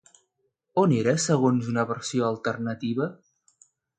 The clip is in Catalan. On era segons una versió alternativa?